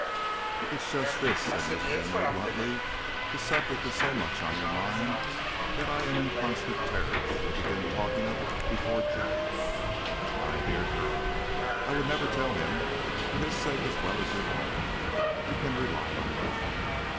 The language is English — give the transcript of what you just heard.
"It's just this," said Mrs. Emory, bluntly; "the subject is so much on your mind that I'm in constant terror you'll begin talking of it before Jack." "My dear girl, I never would tell him; for his sake as well as your own, you can rely on me."